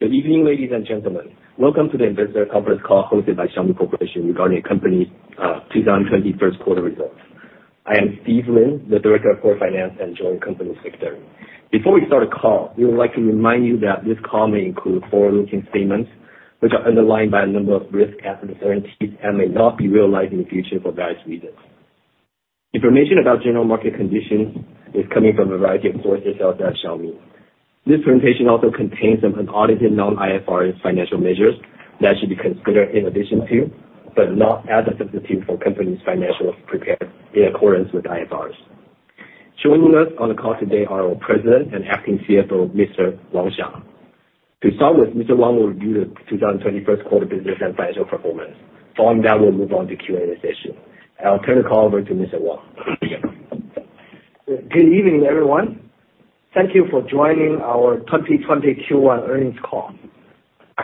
Good evening, ladies and gentlemen. Welcome to the investor conference call hosted by Xiaomi Corporation regarding the company's 2020 first quarter results. I am Steve Lin, the Director of Core Finance and Joint Company Secretary. Before we start the call, we would like to remind you that this call may include forward-looking statements, which are underlined by a number of risks and uncertainties and may not be realized in the future for various reasons. Information about general market conditions is coming from a variety of sources outside Xiaomi. This presentation also contains some unaudited non-IFRS financial measures that should be considered in addition to, but not as a substitute for, company's financials prepared in accordance with IFRSs. Joining us on the call today are our President and Acting CFO, Mr. Wang Xiang. To start with, Mr. Wang will review the 2020 first quarter business and financial performance. Following that, we'll move on to Q&A session. I'll turn the call over to Mr. Wang. Good evening, everyone. Thank you for joining our 2020 Q1 earnings call.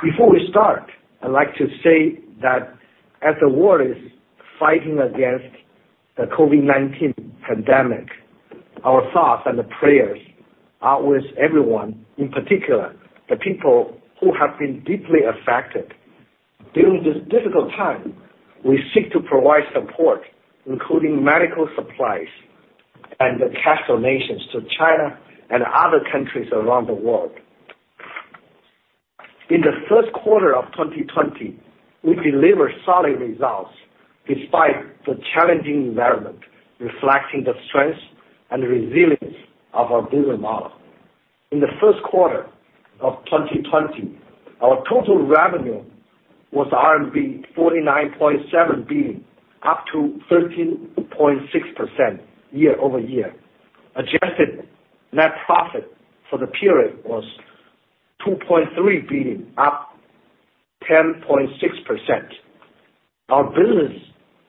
Before we start, I'd like to say that as the world is fighting against the COVID-19 pandemic, our thoughts and prayers are with everyone, in particular, the people who have been deeply affected. During this difficult time, we seek to provide support, including medical supplies and the cash donations to China and other countries around the world. In the first quarter of 2020, we delivered solid results despite the challenging environment, reflecting the strength and resilience of our business model. In the first quarter of 2020, our total revenue was RMB 49.7 billion, up to 13.6% year-over-year. Adjusted net profit for the period was 2.3 billion, up 10.6%. Our business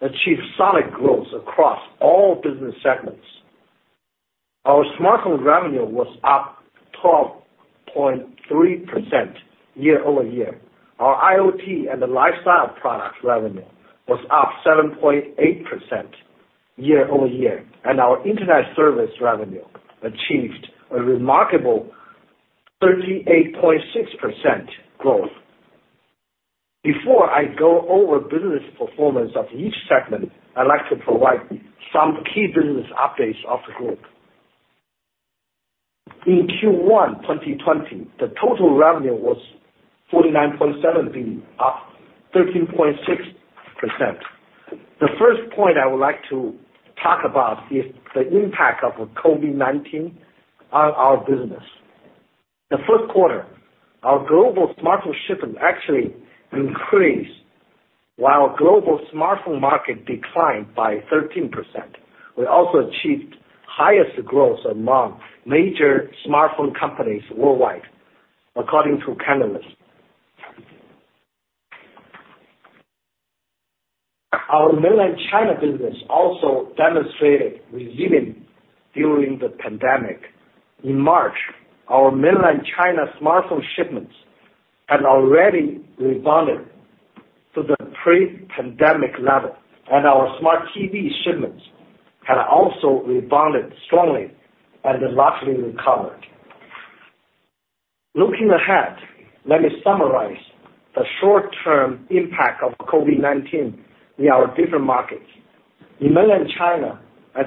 achieved solid growth across all business segments. Our smartphone revenue was up 12.3% year-over-year. Our IoT and the lifestyle product revenue was up 7.8% year-over-year. Our internet service revenue achieved a remarkable 38.6% growth. Before I go over business performance of each segment, I'd like to provide some key business updates of the group. In Q1 2020, the total revenue was 49.7 billion, up 13.6%. The first point I would like to talk about is the impact of COVID-19 on our business. The first quarter, our global smartphone shipment actually increased while global smartphone market declined by 13%. We also achieved highest growth among major smartphone companies worldwide, according to Canalys. Our Mainland China business also demonstrated resilience during the pandemic. In March, our Mainland China smartphone shipments had already rebounded to the pre-pandemic level, and our smart TV shipments had also rebounded strongly and largely recovered. Looking ahead, let me summarize the short-term impact of COVID-19 in our different markets. In Mainland China, as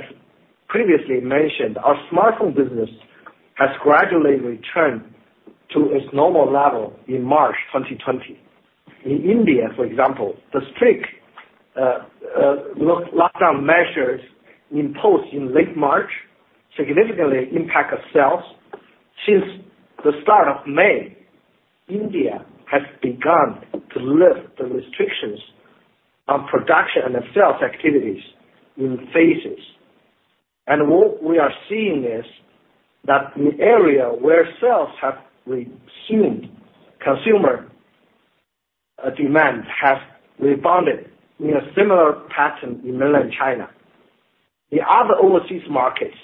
previously mentioned, our smartphone business has gradually returned to its normal level in March 2020. In India, for example, the strict lockdown measures imposed in late March significantly impacted sales. Since the start of May, India has begun to lift the restrictions on production and sales activities in phases. What we are seeing is that in area where sales have resumed, consumer demand has rebounded in a similar pattern in Mainland China. The other overseas markets,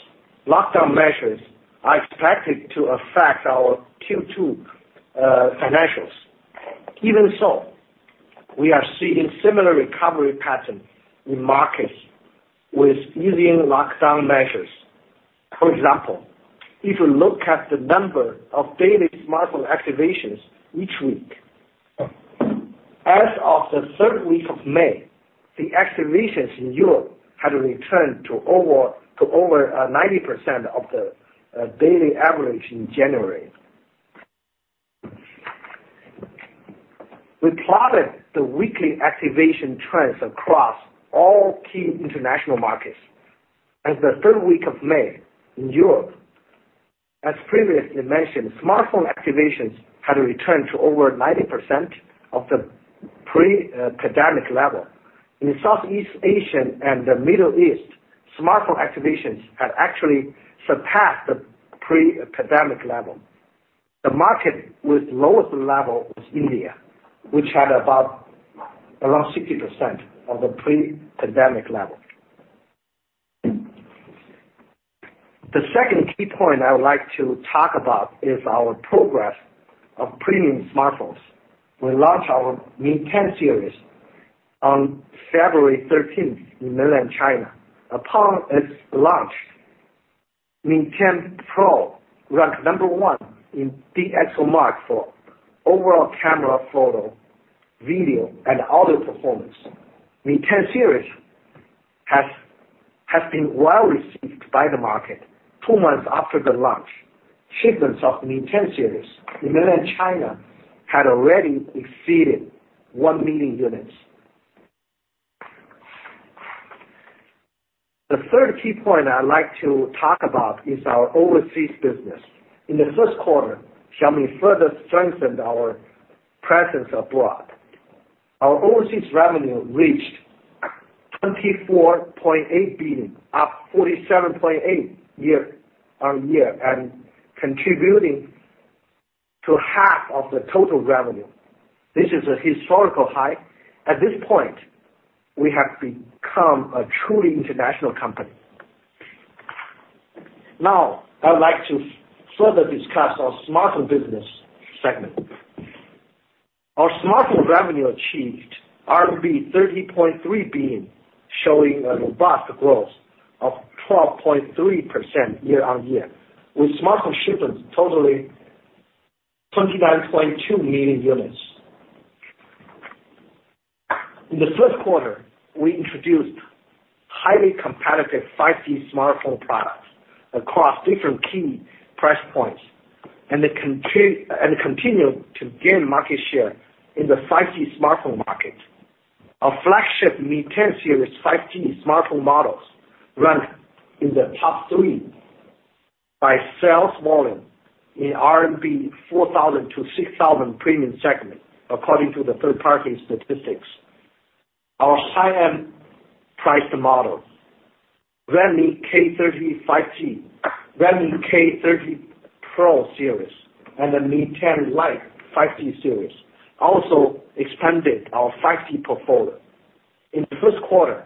lockdown measures are expected to affect our Q2 financials. Even so, we are seeing similar recovery pattern in markets with easing lockdown measures. For example, if you look at the number of daily smartphone activations each week. As of the third week of May, the activations in Europe had returned to over 90% of the daily average in January. We plotted the weekly activation trends across all key international markets. As the third week of May, in Europe, as previously mentioned, smartphone activations had returned to over 90% of the pre-pandemic level. In Southeast Asia and the Middle East, smartphone activations had actually surpassed the pre-pandemic level. The market with lowest level was India, which had about around 60% of the pre-pandemic level. The second key point I would like to talk about is our progress of premium smartphones. We launched our Mi 10 series on February 13th in Mainland China. Upon its launch, Mi 10 Pro ranked number one in DXOMARK for overall camera photo, video, and audio performance. Mi 10 series has been well-received by the market. Two months after the launch, shipments of Mi 10 series in Mainland China had already exceeded 1 million units. The third key point I'd like to talk about is our overseas business. In the first quarter, Xiaomi further strengthened our presence abroad. Our overseas revenue reached 24.8 billion, up 47.8% year-on-year, and contributing to half of the total revenue. This is a historical high. At this point, we have become a truly international company. I would like to further discuss our smartphone business segment. Our smartphone revenue achieved RMB 30.3 billion, showing a robust growth of 12.3% year-on-year, with smartphone shipments totaling 29.2 million units. In the first quarter, we introduced highly competitive 5G smartphone products across different key price points, and continued to gain market share in the 5G smartphone market. Our flagship Mi 10 series 5G smartphone models ranked in the top three by sales volume in 4,000-6,000 RMB premium segment, according to the third-party statistics. Our high-end priced models, Redmi K30 5G, Redmi K30 Pro series, and the Mi 10 Lite 5G series, also expanded our 5G portfolio. In the first quarter,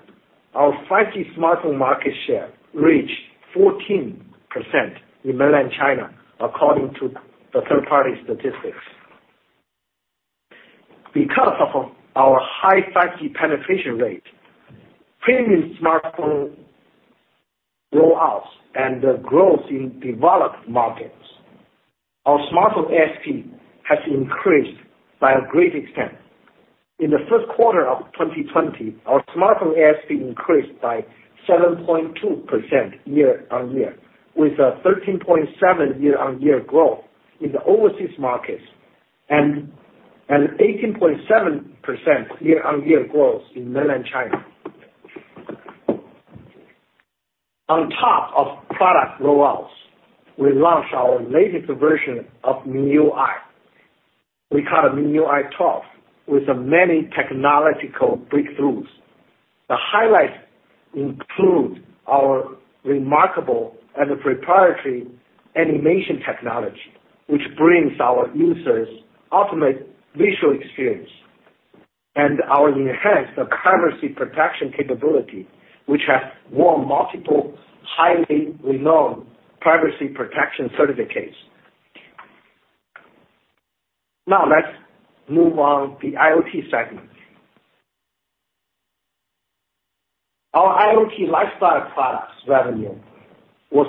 our 5G smartphone market share reached 14% in mainland China, according to the third-party statistics. Our high 5G penetration rate, premium smartphone rollouts, and the growth in developed markets, our smartphone ASP has increased by a great extent. In the first quarter of 2020, our smartphone ASP increased by 7.2% year-on-year, with a 13.7% year-on-year growth in the overseas markets, and an 18.7% year-on-year growth in mainland China. On top of product rollouts, we launched our latest version of MIUI. We call it MIUI 12, with many technological breakthroughs. The highlights include our remarkable and proprietary animation technology, which brings our users ultimate visual experience, and our enhanced privacy protection capability, which has won multiple highly renowned privacy protection certificates. Now let's move on the IoT segment. Our IoT lifestyle products revenue was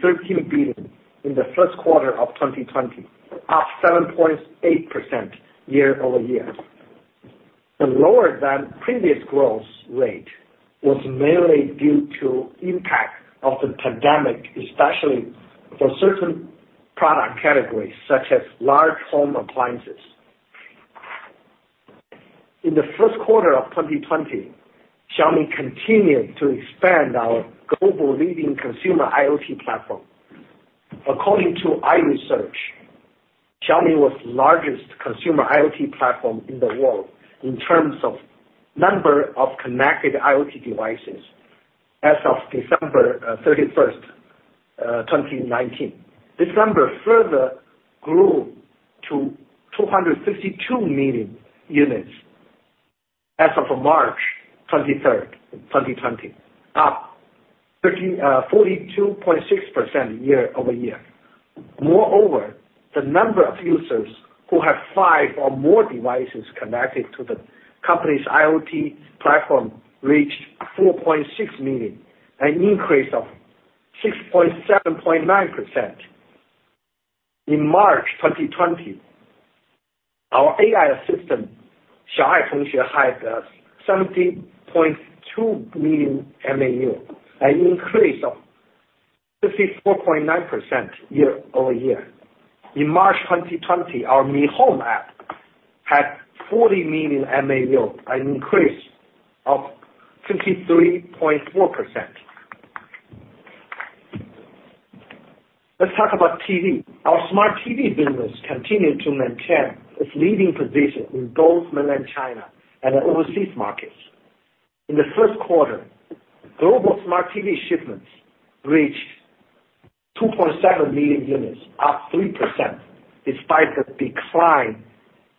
13 billion in the first quarter of 2020, up 7.8% year-over-year. The lower than previous growth rate was mainly due to impact of the pandemic, especially for certain product categories, such as large home appliances. In the first quarter of 2020, Xiaomi continued to expand our global leading consumer IoT platform. According to IDC, Xiaomi was the largest consumer IoT platform in the world in terms of number of connected IoT devices as of December 31st, 2019. This number further grew to 252 million units as of March 23rd, 2020, up 42.6% year-over-year. Moreover, the number of users who have five or more devices connected to the company's IoT platform reached 4.6 million, an increase of 67.9%. In March 2020, our AI system, Xiao Ai, had 70.2 million MAU, an increase of 54.9% year-over-year. In March 2020, our Mi Home app had 40 million MAU, an increase of 53.4%. Let's talk about TV. Our smart TV business continued to maintain its leading position in both mainland China and the overseas markets. In the first quarter, global smart TV shipments reached 2.7 million units, up 3%, despite the decline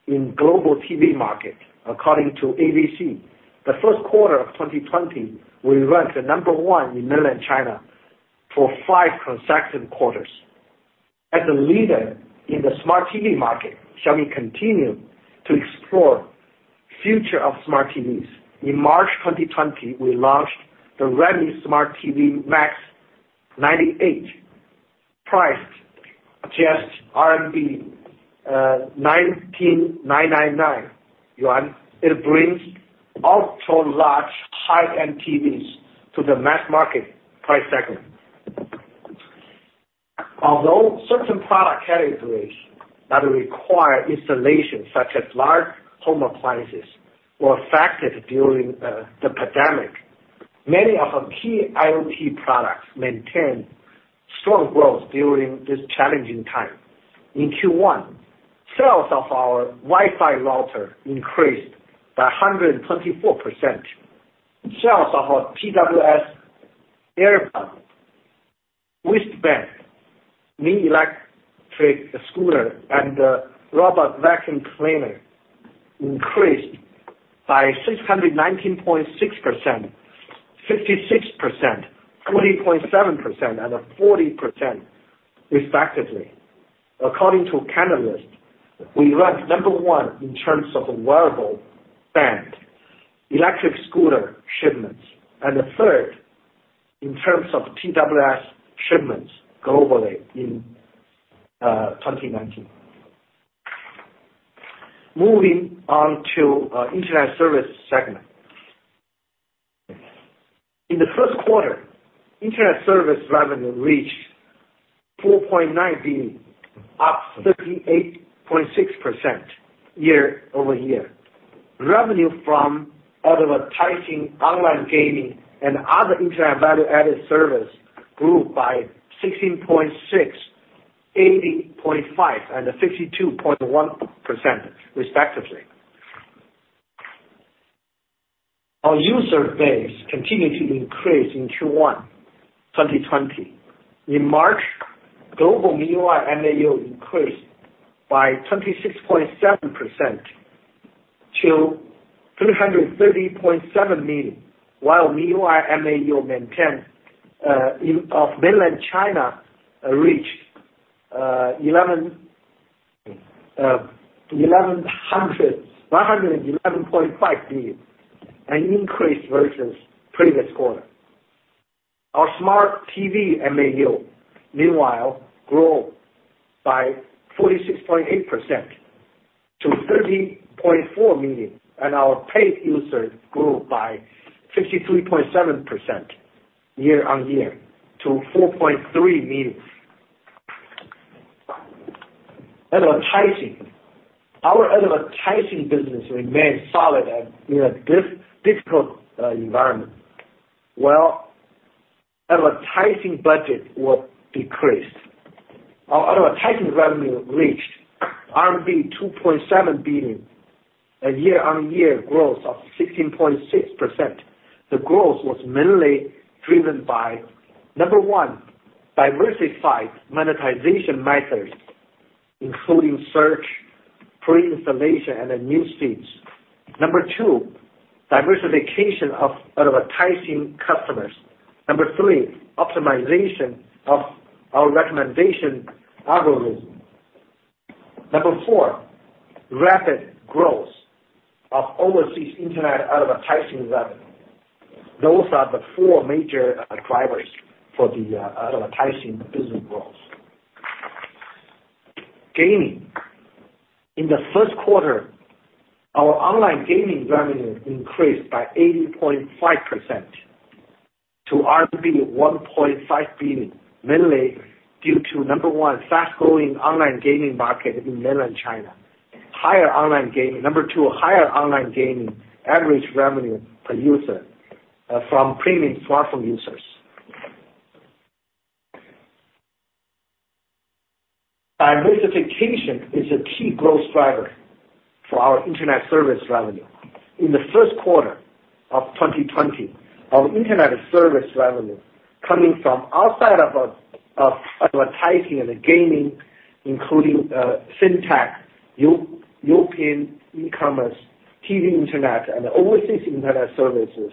in global TV market according to AVC. The first quarter of 2020, we ranked number 1 in mainland China for five consecutive quarters. As a leader in the smart TV market, Xiaomi continue to explore future of smart TVs. In March 2020, we launched the Redmi Smart TV Max 98", priced just 19,999 yuan. It brings ultra large high-end TVs to the mass market price segment. Although certain product categories that require installation, such as large home appliances, were affected during the pandemic, many of our key IoT products maintained strong growth during this challenging time. In Q1, sales of our Wi-Fi router increased by 124%. Sales of our TWS earbud, wristband, mini electric scooter, and robot vacuum cleaner increased by 619.6%, 56%, 40.7%, and 40%, respectively. According to Canalys, we ranked number one in terms of wearable band, electric scooter shipments, and third in terms of TWS shipments globally in 2019. Moving on to internet service segment. In the first quarter, internet service revenue reached 4.9 billion, up 38.6% year-over-year. Revenue from advertising, online gaming, and other internet value-added service grew by 16.6%, 80.5%, and 62.1%, respectively. Our user base continued to increase in Q1 2020. In March, global MIUI MAU increased by 26.7% to 330.7 million, while MIUI MAU of mainland China reached 111.5 million, an increase versus previous quarter. Our smart TV MAU, meanwhile, grew by 46.8% to 30.4 million, and our paid users grew by 53.7% year-on-year to 4.3 million. Advertising. Our advertising business remained solid in a difficult environment. While advertising budget was decreased, our advertising revenue reached RMB 2.7 billion, a year-on-year growth of 16.6%. The growth was mainly driven by, number 1, diversified monetization methods, including search, pre-installation, and newsfeeds. Number 2, diversification of advertising customers. Number 3, optimization of our recommendation algorithm. Number 4, rapid growth of overseas internet advertising revenue. Those are the four major drivers for the advertising business growth. Gaming. In the first quarter, our online gaming revenue increased by 80.5% to RMB 1.5 billion, mainly due to, number 1, fast-growing online gaming market in mainland China. Number 2, higher online gaming average revenue per user from premium smartphone users. Diversification is a key growth driver for our internet service revenue. In the first quarter of 2020, our internet service revenue coming from outside of advertising and gaming, including FinTech, Youpin e-commerce, TV internet, and overseas internet services,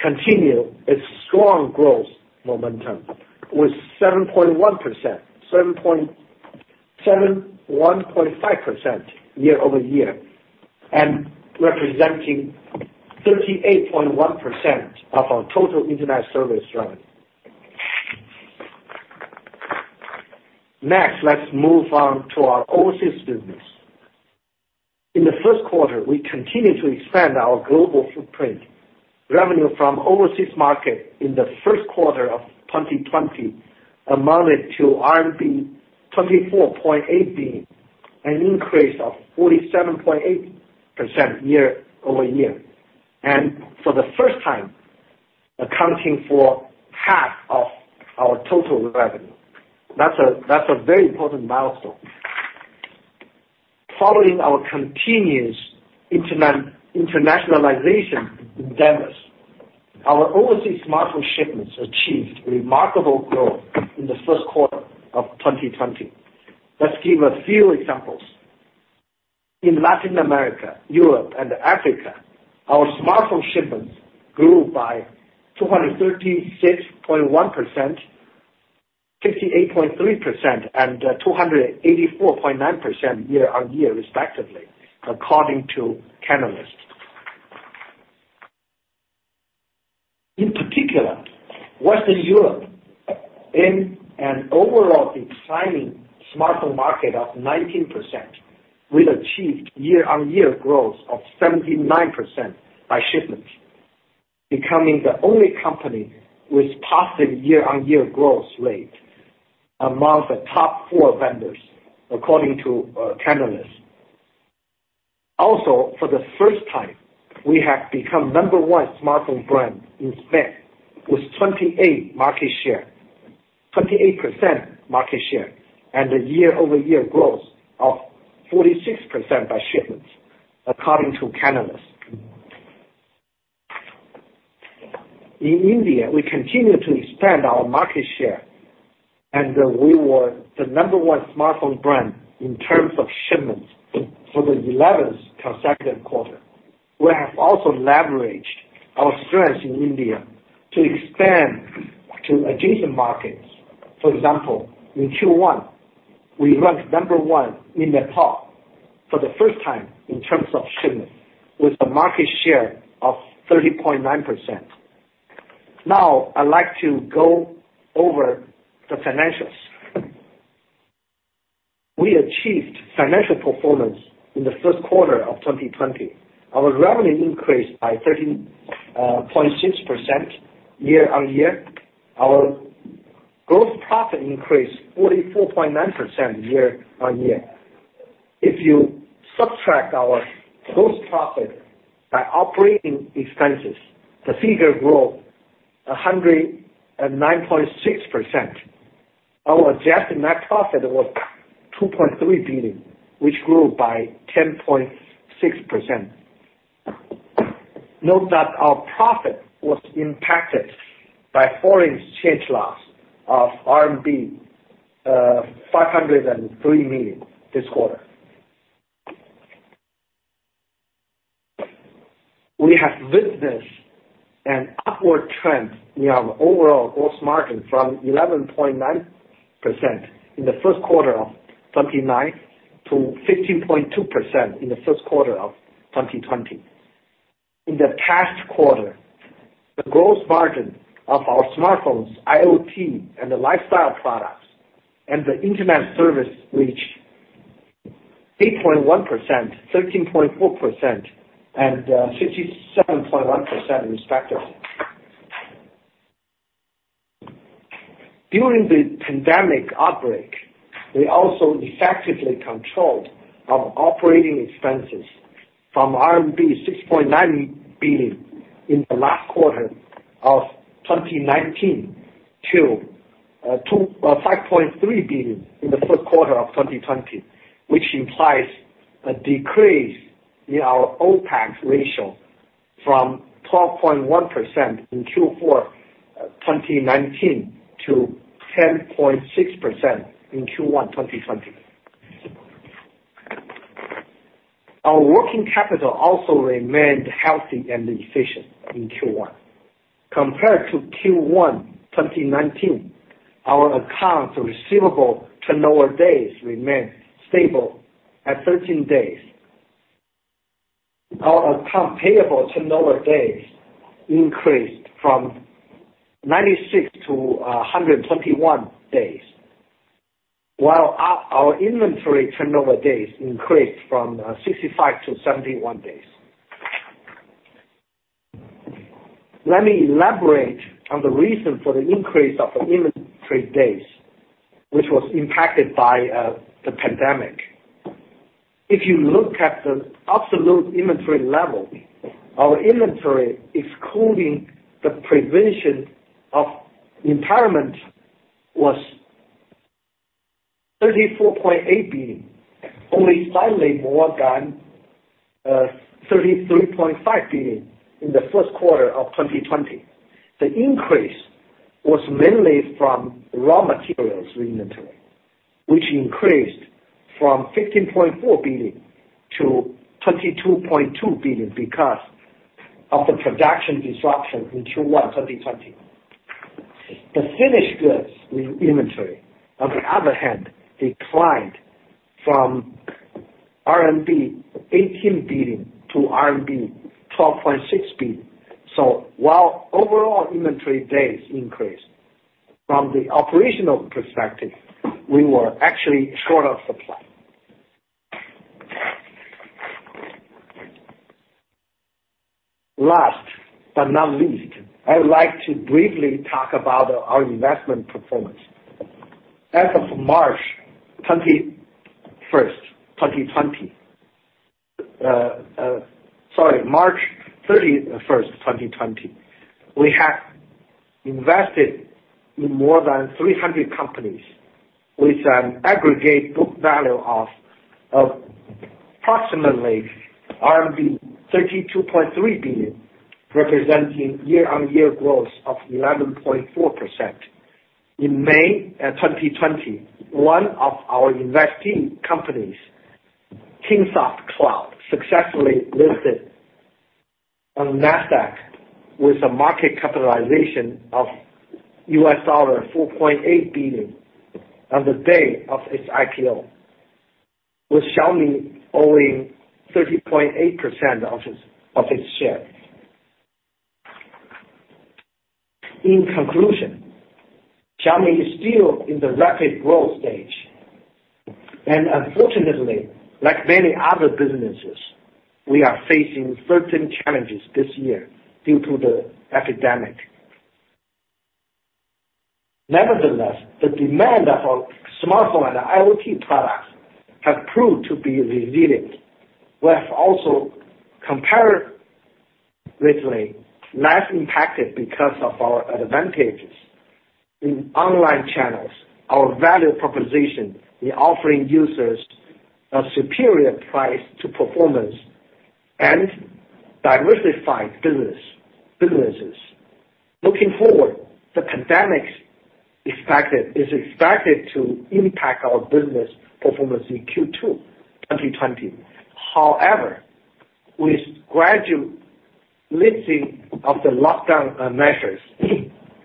continue its strong growth momentum with 71.5% year-over-year and representing 38.1% of our total internet service revenue. Let's move on to our overseas business. In the first quarter, we continued to expand our global footprint. Revenue from overseas market in the first quarter of 2020 amounted to RMB 24.8 billion, an increase of 47.8% year-over-year. For the first time, accounting for half of our total revenue. That's a very important milestone. Following our continuous internationalization endeavors, our overseas smartphone shipments achieved remarkable growth in the first quarter of 2020. Let's give a few examples. In Latin America, Europe, and Africa, our smartphone shipments grew by 236.1%, 68.3%, and 284.9% year-on-year respectively, according to Canalys. In particular, Western Europe, in an overall declining smartphone market of 19%, we achieved year-on-year growth of 79% by shipments, becoming the only company with positive year-on-year growth rate among the top four vendors, according to Canalys. Also, for the first time, we have become number 1 smartphone brand in Spain, with 28% market share, and a year-over-year growth of 46% by shipments, according to Canalys. In India, we continue to expand our market share, and we were the number 1 smartphone brand in terms of shipments for the 11th consecutive quarter. We have also leveraged our strength in India to expand to adjacent markets. For example, in Q1, we ranked number 1 in Nepal for the first time in terms of shipments, with a market share of 30.9%. I'd like to go over the financials. We achieved financial performance in the first quarter of 2020. Our revenue increased by 13.6% year-on-year. Our gross profit increased 44.9% year-on-year. If you subtract our gross profit by operating expenses, the figure grew 109.6%. Our adjusted net profit was 2.3 billion, which grew by 10.6%. Note that our profit was impacted by foreign exchange loss of RMB 503 million this quarter. We have witnessed an upward trend in our overall gross margin from 11.9% in the first quarter of 2019 to 15.2% in the first quarter of 2020. In the past quarter, the gross margin of our smartphones, IoT, and the lifestyle products and the internet service reached 8.1%, 13.4%, and 67.1% respectively. During the pandemic outbreak, we also effectively controlled our operating expenses from RMB 6.9 billion in the last quarter of 2019 to 5.3 billion in the first quarter of 2020, which implies a decrease in our OPEX ratio from 12.1% in Q4 2019 to 10.6% in Q1 2020. Our working capital also remained healthy and efficient in Q1. Compared to Q1 2019, our accounts receivable turnover days remained stable at 13 days. Our account payable turnover days increased from 96 to 121 days, while our inventory turnover days increased from 65 to 71 days. Let me elaborate on the reason for the increase of the inventory days, which was impacted by the pandemic. If you look at the absolute inventory level, our inventory, excluding the provision of impairment, was 34.8 billion, only slightly more than 33.5 billion in the first quarter of 2020. The increase was mainly from raw materials inventory, which increased from 15.4 billion to 22.2 billion because of the production disruption in Q1 2020. The finished goods inventory, on the other hand, declined from RMB 18 billion to RMB 12.6 billion. While overall inventory days increased, from the operational perspective, we were actually short of supply. Last but not least, I would like to briefly talk about our investment performance. As of March 31st, 2020, we have invested in more than 300 companies with an aggregate book value of approximately RMB 32.3 billion, representing year-over-year growth of 11.4%. In May 2020, one of our investee companies, Kingsoft Cloud, successfully listed on Nasdaq with a market capitalization of $4.8 billion on the day of its IPO, with Xiaomi owing 30.8% of its shares. In conclusion, Xiaomi is still in the rapid growth stage. Unfortunately, like many other businesses, we are facing certain challenges this year due to the epidemic. Nevertheless, the demand for smartphone and IoT products has proved to be resilient. We have also comparatively less impacted because of our advantages in online channels, our value proposition in offering users a superior price to performance, and diversified businesses. Looking forward, the pandemic is expected to impact our business performance in Q2 2020. However, with gradual lifting of the lockdown measures,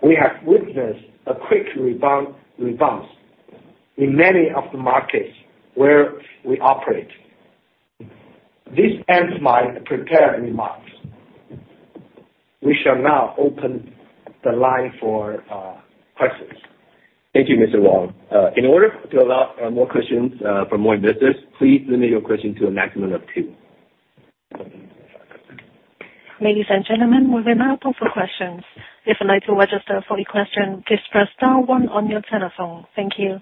we have witnessed a quick rebound in many of the markets where we operate. This ends my prepared remarks. We shall now open the line for questions. Thank you, Mr. Wang. In order to allow more questions from more investors, please limit your questions to a maximum of two. Ladies and gentlemen, we will now open for questions. If you'd like to register for a question, please press star one on your telephone. Thank you.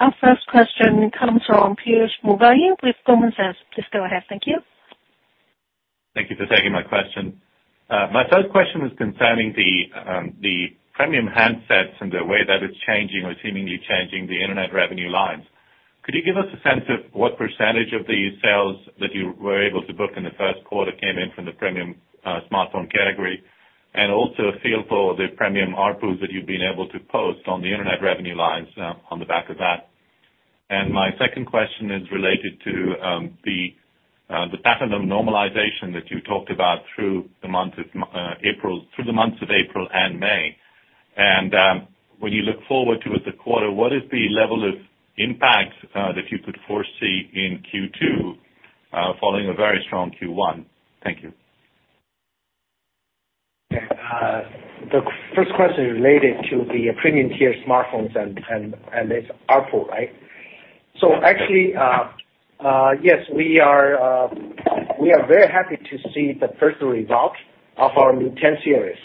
Our first question comes from Piyush Mubayi with Goldman Sachs. Please go ahead. Thank you. Thank you for taking my question. My first question is concerning the premium handsets and the way that it's changing or seemingly changing the internet revenue lines. Could you give us a sense of what % of these sales that you were able to book in the first quarter came in from the premium smartphone category? Also a feel for the premium ARPU that you've been able to post on the internet revenue lines on the back of that. My second question is related to the pattern of normalization that you talked about through the months of April and May. When you look forward towards the quarter, what is the level of impact that you could foresee in Q2 following a very strong Q1? Thank you. The first question related to the premium tier smartphones and its ARPU, right? Actually, yes, we are very happy to see the first result of our Mi 10 series.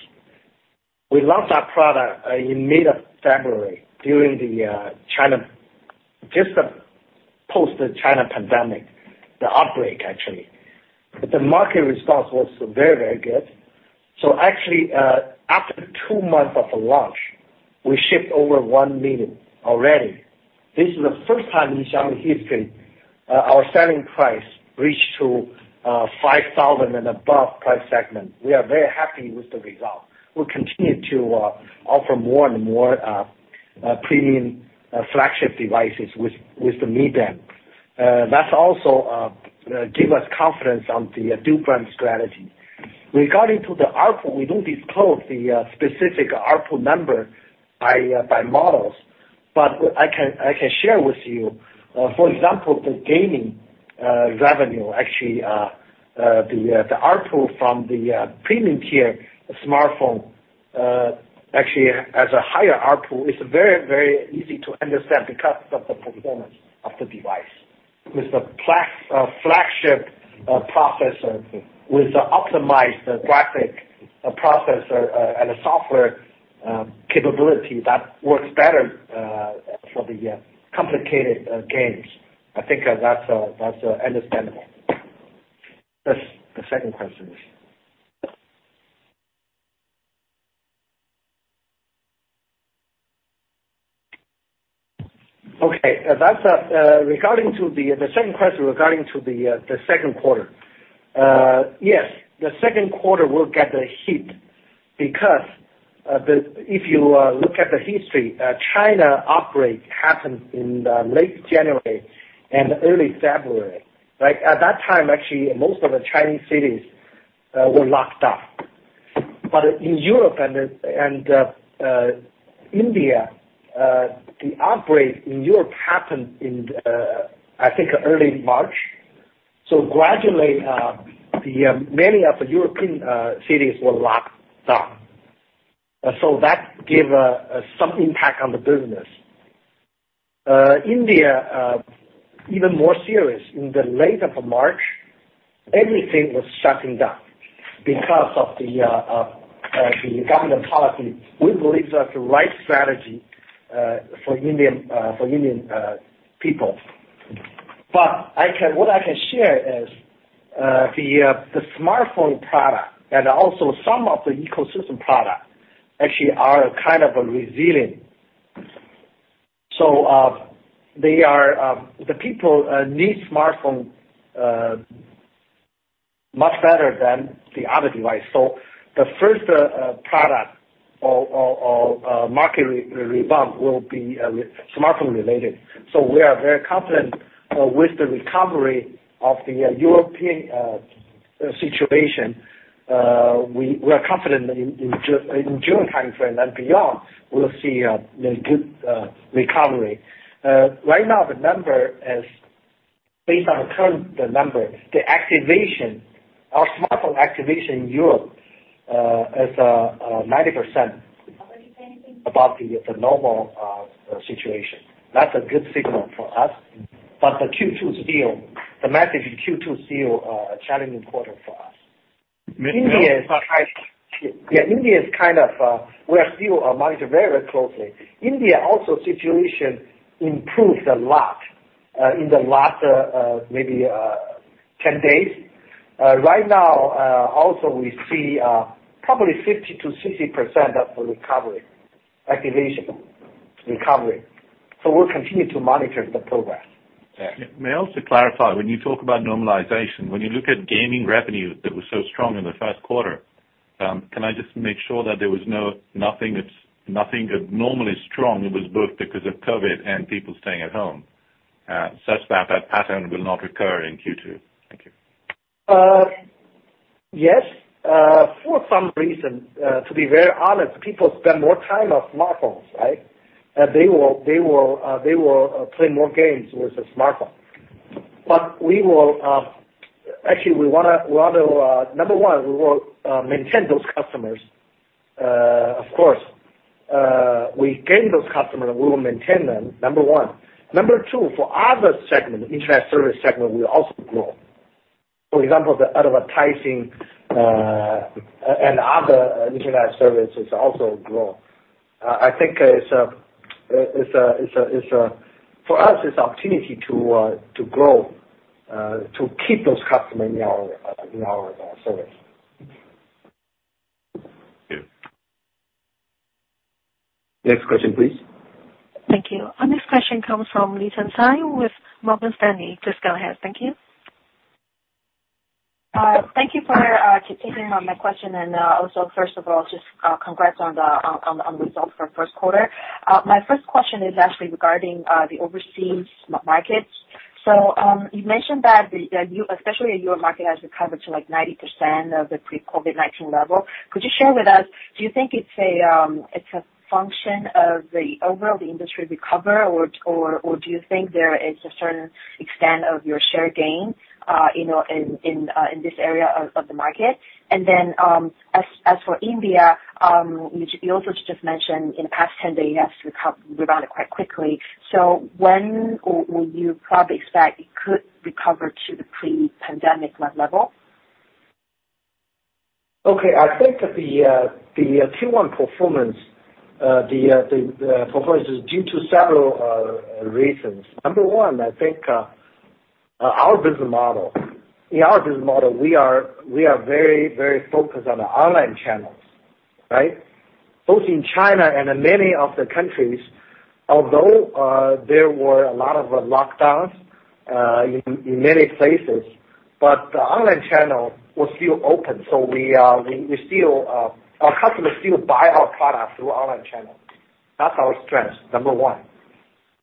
We launched that product in mid of February just post the China pandemic, the outbreak. The market response was very, very good. After two months of the launch, we shipped over 1 million already. This is the first time in Xiaomi history our selling price reached to 5,000 and above price segment. We are very happy with the result. We'll continue to offer more and more premium flagship devices with the mid-tier. That also give us confidence on the dual brand strategy. Regarding to the ARPU, we don't disclose the specific ARPU number by models. I can share with you, for example, the gaming revenue. Actually, the ARPU from the premium tier smartphone actually has a higher ARPU. It's very, very easy to understand because of the performance of the device. With the flagship processor, with the optimized graphic processor and the software capability, that works better for the complicated games. I think that's understandable. The second question. Okay. The second question regarding to the second quarter. Yes, the second quarter will get the hit because if you look at the history, China outbreak happened in the late January and early February, right? At that time, actually, most of the Chinese cities were locked down. In Europe and India, the outbreak in Europe happened in, I think, early March. Gradually, many of the European cities were locked down. That gave some impact on the business. India, even more serious. In the late of March, everything was shutting down because of the government policy. We believe that's the right strategy for Indian people. What I can share isThe smartphone product and also some of the ecosystem product actually are kind of resilient. The people need smartphone much better than the other device. The first product or market rebound will be smartphone related. We are very confident with the recovery of the European situation. We are confident in June timeframe and beyond, we'll see a good recovery. Right now, based on the current number, our smartphone activation in Europe is 90% above the normal situation. That's a good signal for us. The message in Q2 is still a challenging quarter for us. India is kind of, we are still monitor very closely. India also situation improved a lot in the last maybe 10 days. Right now, also we see probably 50%-60% of the recovery, activation recovery. We'll continue to monitor the progress there. May I also clarify, when you talk about normalization, when you look at gaming revenue that was so strong in the first quarter, can I just make sure that there was nothing abnormally strong that was both because of COVID and people staying at home? Such that pattern will not recur in Q2. Thank you. Yes. For some reason, to be very honest, people spend more time on smartphones, right? They will play more games with a smartphone. Actually, number one, we will maintain those customers. Of course, we gain those customers, we will maintain them, number one. Number two, for other segment, internet service segment, will also grow. For example, the advertising, and other internet services also grow. I think for us, it's opportunity to grow, to keep those customers in our service. Thank you. Next question, please. Thank you. Our next question comes from Lisa Tsai with Morgan Stanley. Please go ahead. Thank you. Thank you for taking my question. First of all, just congrats on the results for first quarter. My first question is actually regarding the overseas markets. You mentioned that especially your market has recovered to like 90% of the pre-COVID-19 level. Could you share with us, do you think it's a function of the overall the industry recover or do you think there is a certain extent of your share gain in this area of the market? As for India, you also just mentioned in the past 10 days, you have rebounded quite quickly. When will you probably expect it could recover to the pre-pandemic level? Okay. I think the Q1 performance is due to several reasons. Number 1, I think in our business model, we are very focused on the online channels, right? Both in China and in many of the countries, although there were a lot of lockdowns in many places, but the online channel was still open. Our customers still buy our product through online channel. That's our strength, Number 1.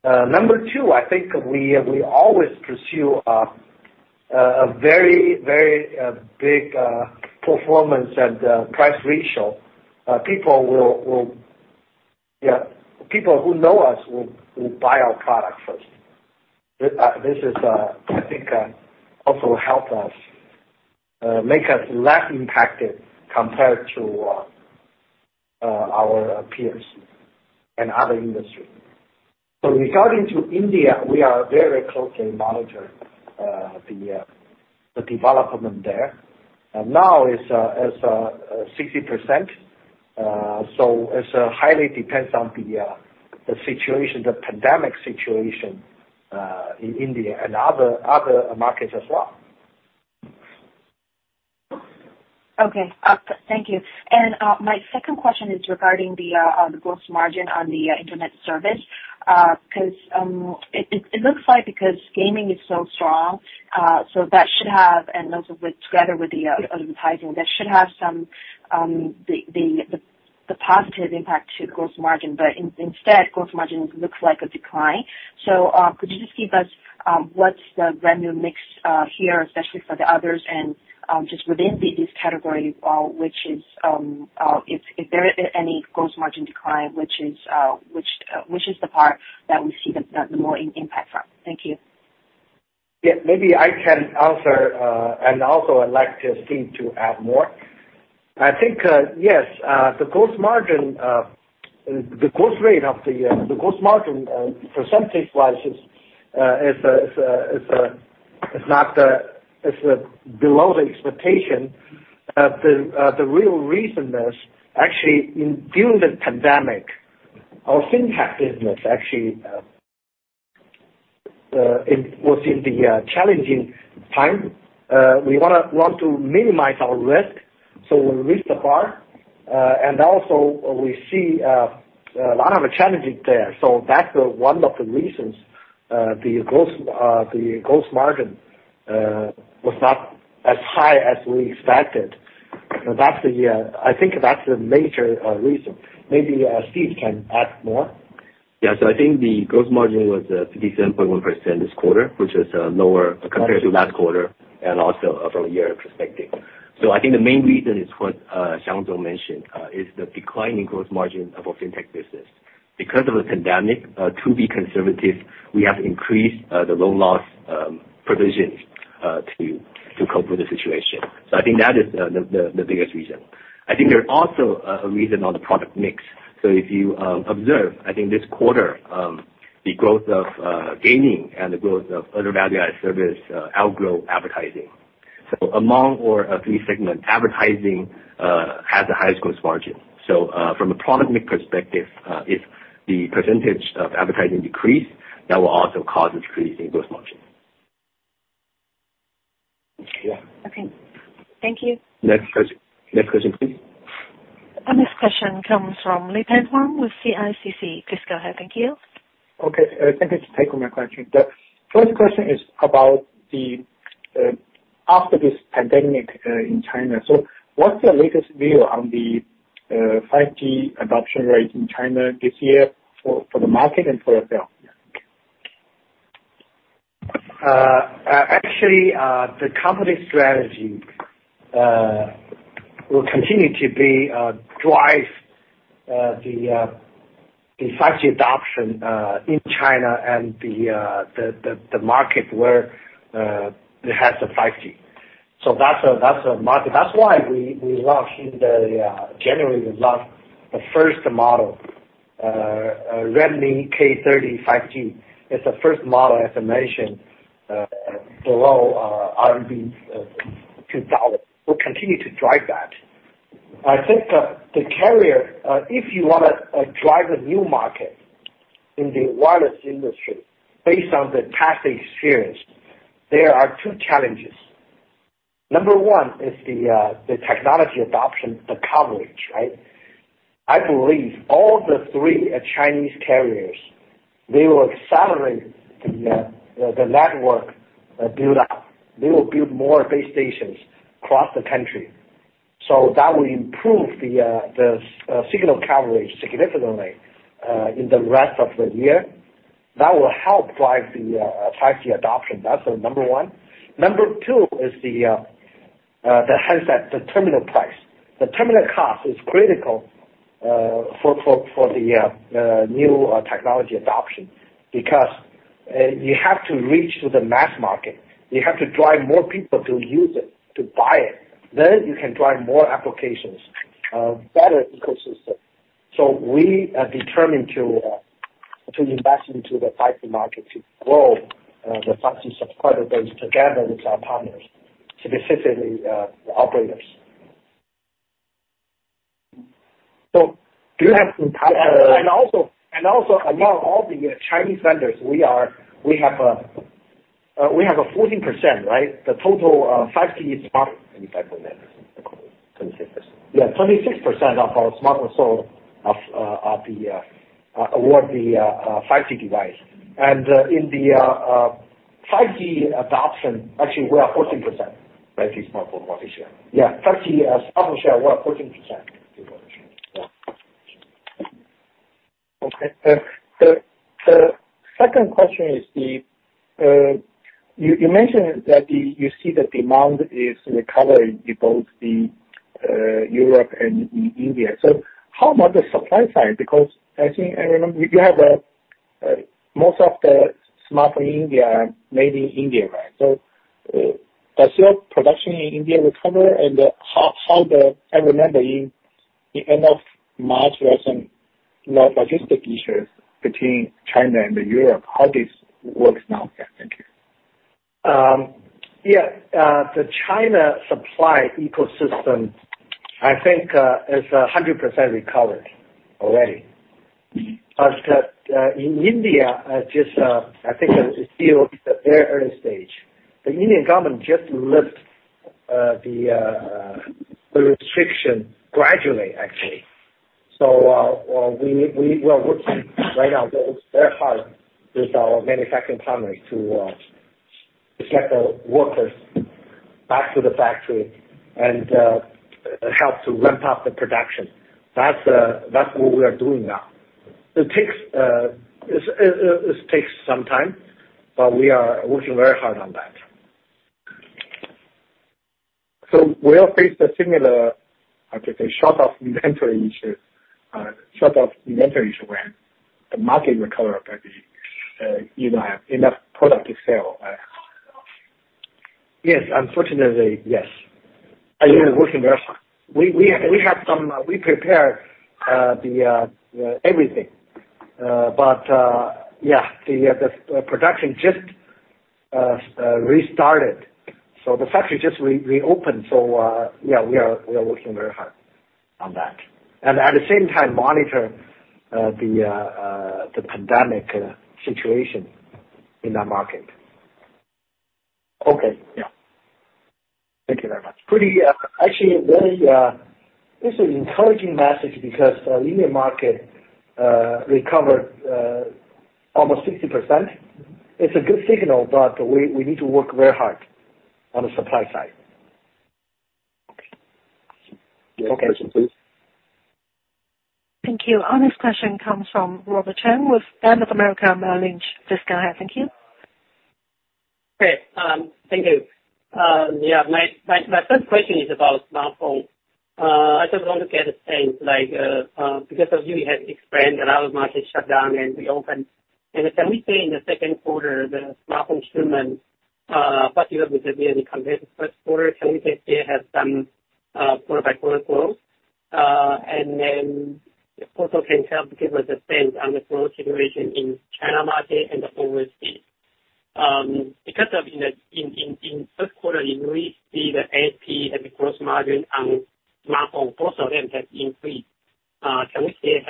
Number 2, I think we always pursue a very big performance and price ratio. People who know us will buy our product first. This I think also help us, make us less impacted compared to our peers in other industry. Regarding to India, we are very closely monitoring the development there. Now it's 60%, so it highly depends on the pandemic situation in India and other markets as well. Okay. Thank you. My second question is regarding the gross margin on the internet service. Because it looks like because gaming is so strong, and also together with the advertising, that should have the positive impact to gross margin. Instead, gross margin looks like a decline. Could you just give us what's the revenue mix here, especially for the others and just within these categories, if there any gross margin decline, which is the part that we see the more impact from? Thank you. Maybe I can answer. Also, I'd like Steve to add more. I think, yes, the gross margin percentage-wise is below the expectation. The real reason is actually during the pandemic, our FinTech business. It was in the challenging time. We want to minimize our risk. We raise the bar. Also, we see a lot of challenges there. That's one of the reasons the gross margin was not as high as we expected. I think that's the major reason. Maybe Steve can add more. Yeah. I think the gross margin was 57.1% this quarter, which is lower compared to last quarter and also from a year perspective. I think the main reason is what Wang Xiang mentioned, is the declining gross margin of our FinTech business. Because of the pandemic, to be conservative, we have increased the loan loss provisions to cope with the situation. I think that is the biggest reason. I think there's also a reason on the product mix. If you observe, I think this quarter, the growth of gaming and the growth of other value-added service outgrew advertising. Among our three segments, advertising has the highest gross margin. From a product mix perspective, if the percentage of advertising decreased, that will also cause a decrease in gross margin. Yeah. Okay. Thank you. Next question, please. Next question comes from Leping Huang with CICC. Please go ahead. Thank you. Okay. Thank you for taking my question. The first question is about after this pandemic in China. What's your latest view on the 5G adoption rate in China this year for the market and for yourself? Actually, the company strategy will continue to drive the 5G adoption in China and the market where it has the 5G. That's why in January, we launched the first model, Redmi K30 5G. It's the first model, as I mentioned, below RMB 2,000. We'll continue to drive that. I think that the carrier, if you want to drive a new market in the wireless industry based on the past experience, there are two challenges. Number one is the technology adoption, the coverage, right? I believe all the three Chinese carriers, they will accelerate the network build-up. They will build more base stations across the country. That will improve the signal coverage significantly in the rest of the year. That will help drive the 5G adoption. That's number one. Number two is the handset, the terminal price. The terminal cost is critical for the new technology adoption, because you have to reach to the mass market. You have to drive more people to use it, to buy it. You can drive more applications, better ecosystem. We are determined to invest into the 5G market to grow the 5G subscriber base together with our partners, specifically the operators. Do you have some. Among all the Chinese vendors, we have 14%, right? The total 5G smartphone. 25%. 26%. Yeah, 26% of our smartphone sold were the 5G device. In the 5G adoption, actually, we are 14%. 5G smartphone market share. Yeah. 5G smartphone share, we are 14%. Yeah. Okay. The second question is, you mentioned that you see the demand is recovering in both the Europe and India. How about the supply side? Because I think, I remember you have most of the smartphone India are made in India, right? Does your production in India recover and I remember in end of March, there was some logistic issues between China and Europe. How this works now? Yeah. Thank you. Yeah. The China supply ecosystem, I think, is 100% recovered already. As the in India, just, I think it's still at the very early stage. The Indian government just lift the restriction gradually, actually. We are working right now very hard with our manufacturing partners to get the workers back to the factory and help to ramp up the production. That's what we are doing now. It takes some time, but we are working very hard on that. Will you face a similar, how to say, short of inventory issue when the market recovers? That you don't have enough product to sell? Yes. Unfortunately, yes. Are you- Working very hard. We prepared everything. The production restarted. The factory just reopened. We are working very hard on that. At the same time, monitor the pandemic situation in that market. Okay. Yeah. Thank you very much. Actually, this is an encouraging message because Indian market recovered almost 60%. It's a good signal, but we need to work very hard on the supply side. Okay. Next question, please. Thank you. Our next question comes from Robert Chen with Bank of America Merrill Lynch. Just go ahead. Thank you. Great. Thank you. Yeah, my first question is about smartphone. I just want to get a sense, because as you had explained, a lot of markets shut down and reopened. Can we say in the second quarter, the smartphone shipment, particularly compared to the first quarter, can we say it has some quarter by quarter growth? Also can you help give us a sense on the growth situation in China market and the overseas? In first quarter, you really see the ASP and the gross margin on smartphone, both of them have increased. Can we still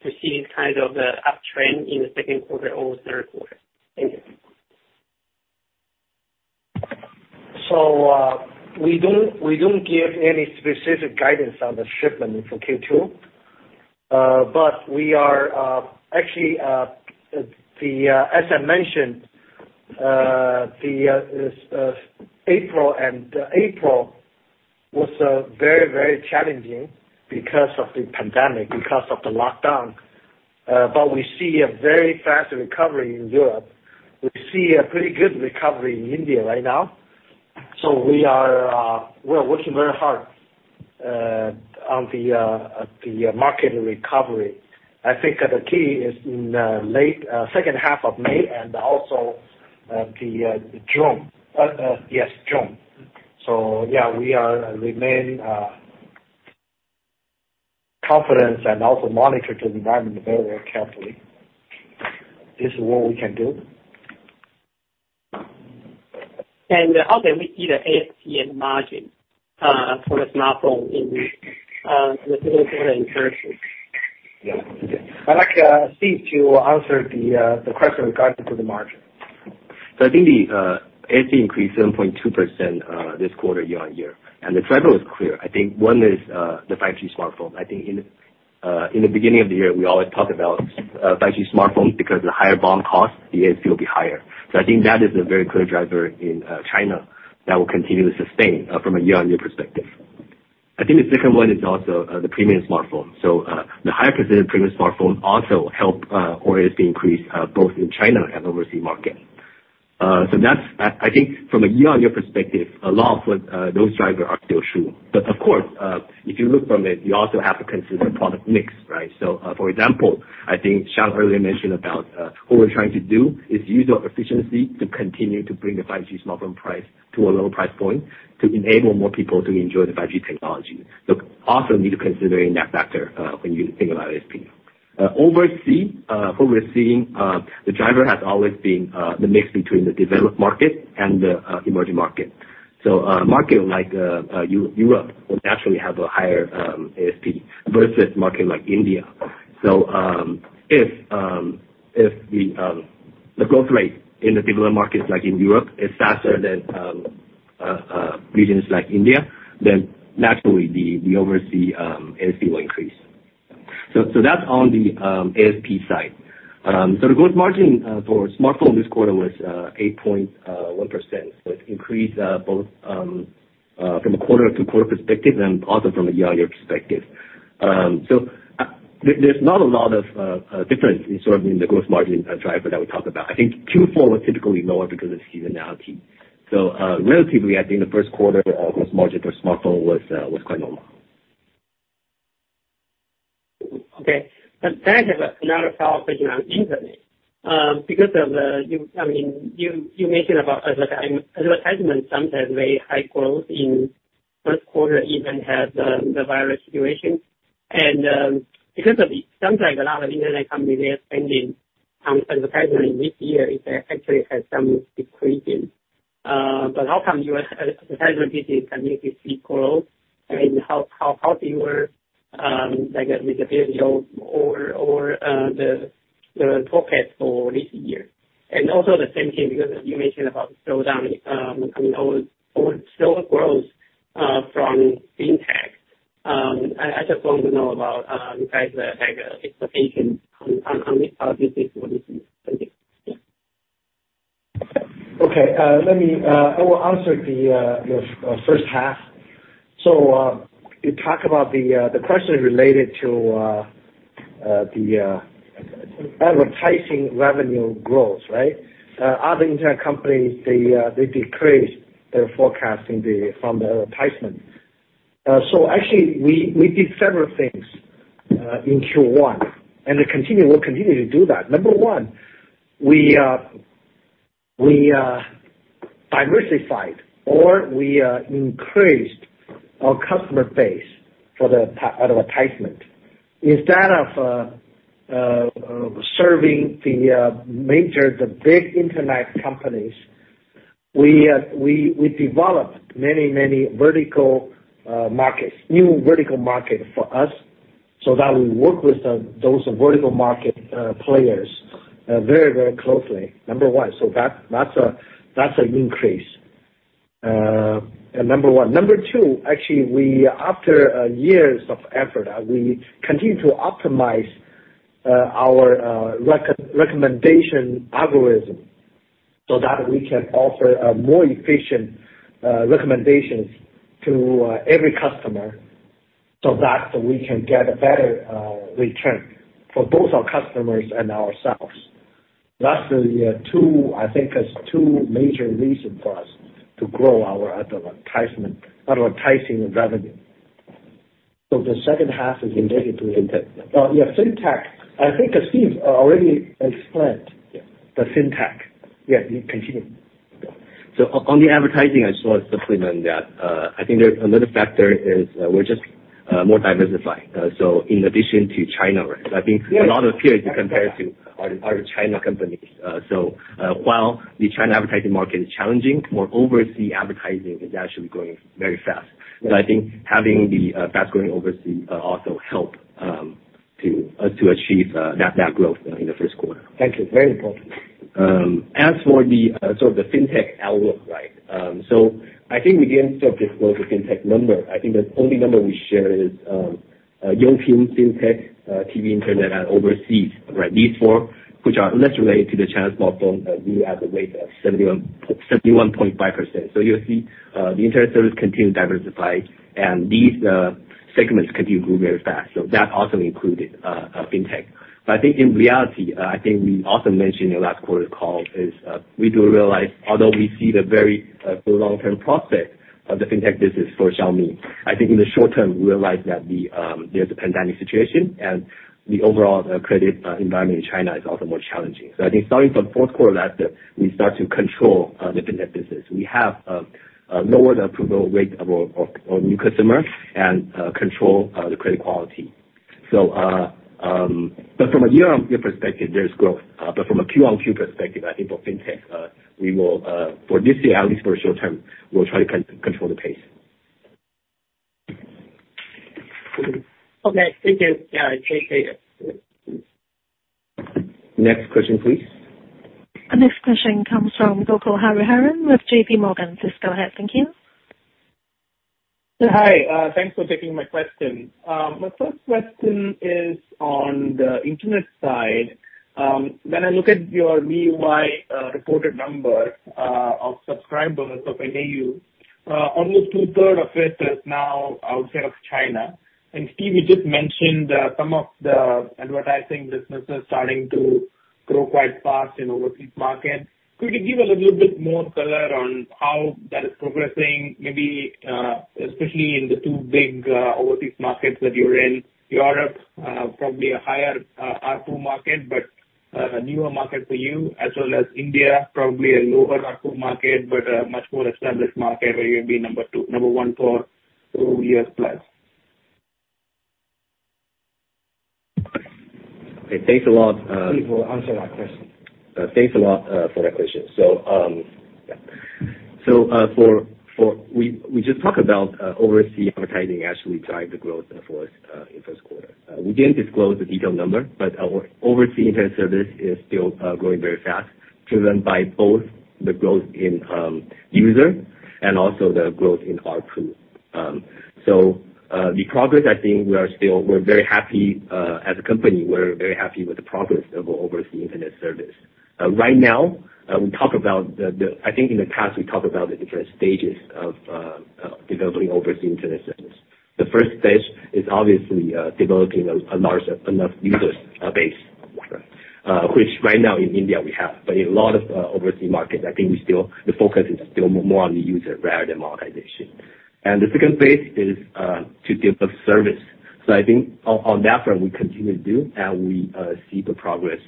proceed the uptrend in the second quarter or third quarter? Thank you. We don't give any specific guidance on the shipment for Q2. Actually, as I mentioned, April was very challenging because of the pandemic, because of the lockdown. We see a very fast recovery in Europe. We see a pretty good recovery in India right now. We are working very hard on the market recovery. I think the key is in the second half of May and also June. Yeah, we remain confident and also monitor the environment very well carefully. This is what we can do. How can we see the ASP and margin for the smartphone in the second quarter and third quarter? Yeah. I'd like Steve to answer the question in regard to the margin. I think the ASP increased 7.2% this quarter year-on-year. The driver is clear. I think one is the 5G smartphone. I think in the beginning of the year, we always talk about 5G smartphones because the higher BOM cost, the ASP will be higher. I think that is a very clear driver in China that will continue to sustain from a year-on-year perspective. I think the second one is also the premium smartphone. The higher percentage premium smartphone also help or is increased both in China and overseas market. I think from a year-on-year perspective, a lot of those drivers are still true. Of course, if you look from it, you also have to consider product mix, right? For example, I think Xiang earlier mentioned about what we're trying to do is use our efficiency to continue to bring the 5G smartphone price to a lower price point to enable more people to enjoy the 5G technology. Also need to consider in that factor when you think about ASP. Overseas, what we're seeing, the driver has always been the mix between the developed market and the emerging market. A market like Europe will naturally have a higher ASP versus market like India. If the growth rate in the developed markets like in Europe is faster than regions like India, then naturally the overseas ASP will increase. That's on the ASP side. The gross margin for smartphone this quarter was 8.1%, so it increased both from a quarter-to-quarter perspective and also from a year-on-year perspective. There's not a lot of difference in sort of in the gross margin driver that we talked about. I think Q4 was typically lower because of seasonality. Relatively, I think the first quarter gross margin for smartphone was quite normal. Okay. Can I have another follow-up question on internet? Because you mentioned about advertisement sometimes very high growth in first quarter, even have the virus situation. Because it sounds like a lot of internet companies, they are spending on advertisement this year, it actually has some decreasing. How come your advertisement can make it equal? I mean, how do you work with the business or the forecast for this year? Also the same thing, because you mentioned about the slowdown coming or slow growth from FinTech. I just want to know about you guys' expectation on this business. Thank you. Okay. I will answer the first half. You talk about the question related to the advertising revenue growth, right? Other internet companies, they decreased their forecast from the advertisement. Actually we did several things in Q1, and we'll continue to do that. Number 1, we diversified, or we increased our customer base for the advertisement. Instead of serving the major, the big internet companies, we developed many vertical markets, new vertical market for us, so that we work with those vertical market players very closely. Number 1. That's an increase. Number 1. Number 2, actually, after years of effort, we continue to optimize our recommendation algorithm so that we can offer a more efficient recommendations to every customer so that we can get a better return for both our customers and ourselves. That's the 2 major reasons for us to grow our advertising revenue. The second half is related to FinTech. Yeah, FinTech. I think as Steve already explained. Yeah the FinTech. Yeah, you continue. On the advertising, I just want to supplement that. I think there's another factor is we're just more diversified. In addition to China, right? I think a lot of peers. Yeah. you compare to are China companies. While the China advertising market is challenging, more overseas advertising is actually growing very fast. Yes. I think having the fast-growing overseas also help us to achieve that growth in the first quarter. Thank you. Very important. As for the sort of the FinTech outlook, I think we didn't disclose the FinTech number. I think the only number we share is Youpin FinTech, TV internet and overseas, right? These four, which are less related to the China smartphone, grew at a rate of 71.5%. You see the internet service continue to diversify, and these segments continue to grow very fast. That also included FinTech. I think in reality, I think we also mentioned in the last quarter call is we do realize, although we see the very long-term prospect of the FinTech business for Xiaomi, I think in the short term, we realize that there's a pandemic situation, and the overall credit environment in China is also more challenging. I think starting from fourth quarter last year, we start to control the FinTech business. We have lowered approval rate of our new customer and control the credit quality. From a year-on-year perspective, there's growth. From a Q-on-Q perspective, I think for FinTech, for this year, at least for short term, we'll try to control the pace. Okay. Thank you. Yeah. Next question, please. Next question comes from Gokul Hariharan with JP Morgan. Please go ahead. Thank you. Hi. Thanks for taking my question. My first question is on the internet side. When I look at your year-on-year reported numbers of subscribers of MAU, almost two-third of it is now outside of China. Steve, you just mentioned some of the advertising business is starting to grow quite fast in overseas market. Could you give a little bit more color on how that is progressing, maybe especially in the two big overseas markets that you're in? Europe, probably a higher ARPU market, but a newer market for you, as well as India, probably a lower ARPU market, but a much more established market where you'll be number one for two years plus. Okay, thanks a lot. Steve will answer that question. Thanks a lot for that question. We just talked about overseas advertising actually drive the growth for us in first quarter. We didn't disclose the detailed number, our overseas internet service is still growing very fast, driven by both the growth in user and also the growth in ARPU. The progress, I think we're very happy as a company. We're very happy with the progress of our overseas internet service. Right now, I think in the past, we talked about the different stages of developing overseas internet service. The first stage is obviously developing a large enough user base. Yeah. Which right now in India we have, but in a lot of overseas markets, I think the focus is still more on the user rather than monetization. The second phase is to give the service. I think on that front, we continue to do, and we see the progress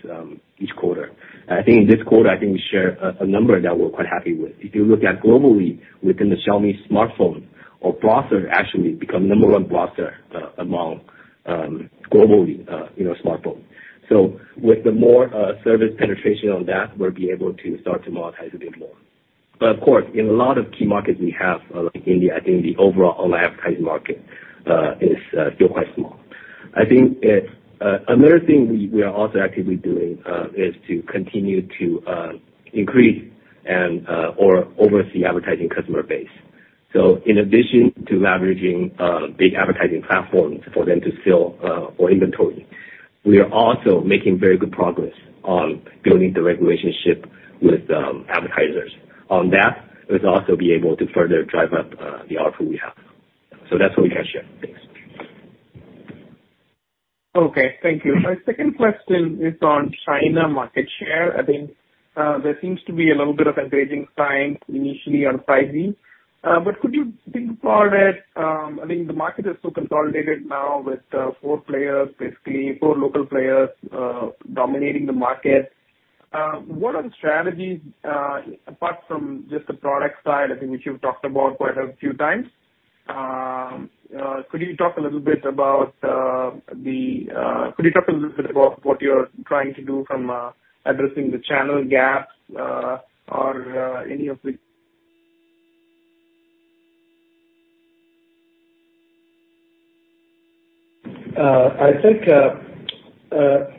each quarter. I think in this quarter, I think we share a number that we're quite happy with. If you look at globally within the Xiaomi smartphone or browser, actually become number 1 browser among globally smartphone. With the more service penetration on that, we'll be able to start to monetize a bit more. Of course, in a lot of key markets we have, like India, I think the overall online advertising market is still quite small. I think another thing we are also actively doing is to continue to increase our overseas advertising customer base. In addition to leveraging big advertising platforms for them to fill our inventory, we are also making very good progress on building the relationship with advertisers. On that, we'll also be able to further drive up the output we have. That's what we can share. Thanks. Okay. Thank you. My second question is on China market share. I think there seems to be a little bit of a Beijing sign initially on 5G. Could you think about it, I think the market is so consolidated now with four players, basically four local players dominating the market. What are the strategies apart from just the product side, I think which you've talked about quite a few times? Could you talk a little bit about what you're trying to do from addressing the channel gaps or any of the? I think,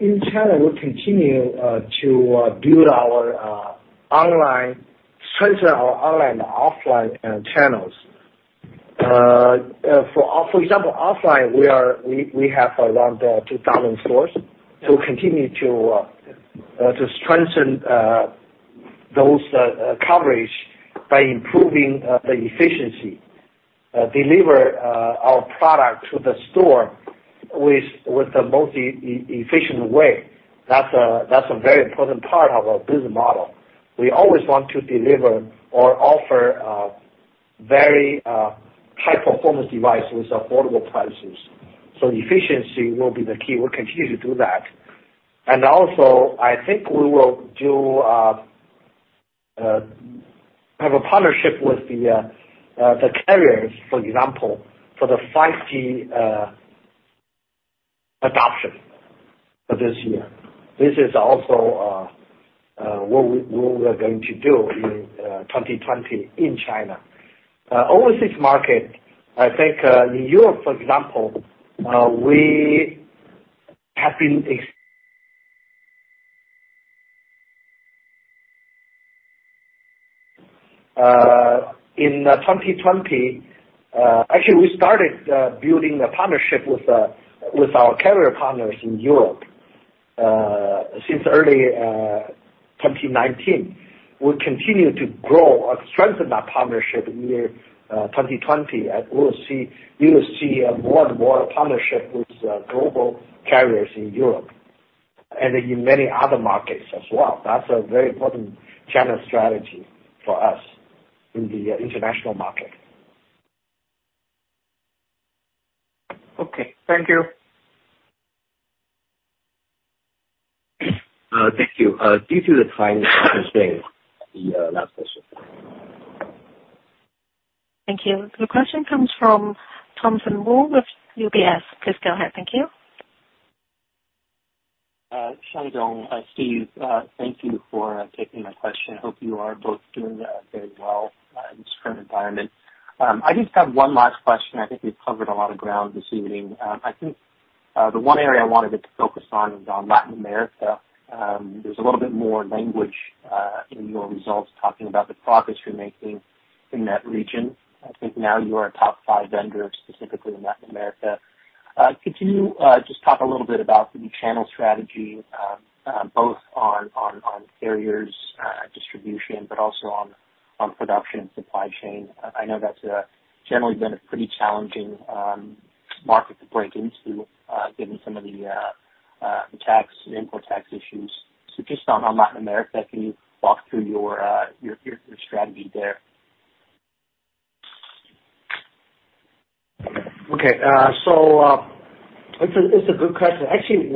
in China, we'll continue to build our online, strengthen our online and offline channels. For example, offline, we have around 2,000 stores. We'll continue to strengthen those coverage by improving the efficiency. Deliver our product to the store with the most efficient way. That's a very important part of our business model. We always want to deliver or offer very high-performance devices at affordable prices. Efficiency will be the key. We'll continue to do that. I think we will have a partnership with the carriers, for example, for the 5G adoption for this year. This is also what we are going to do in 2020 in China. Overseas market, I think in Europe, for example, In 2020 Actually, we started building a partnership with our carrier partners in Europe since early 2019. We'll continue to grow or strengthen that partnership in year 2020. You will see more and more partnership with global carriers in Europe, and in many other markets as well. That's a very important channel strategy for us in the international market. Okay. Thank you. Thank you. Due to the time constraint, this will be last question. Thank you. The question comes from Thompson Wu with UBS. Please go ahead. Thank you. Shang-jen, Steve, thank you for taking my question. Hope you are both doing very well in this current environment. I just have one last question. I think we've covered a lot of ground this evening. I think the one area I wanted to focus on is on Latin America. There's a little bit more language in your results talking about the progress you're making in that region. I think now you are a top five vendor specifically in Latin America. Could you just talk a little bit about the channel strategy, both on carriers distribution, but also on production supply chain? I know that's generally been a pretty challenging market to break into, given some of the import tax issues. Just on Latin America, can you walk through your strategy there? Okay. It's a good question. Actually,